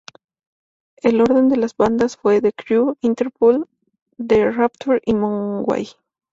El orden de las bandas fue The Cure, Interpol, The Rapture y Mogwai.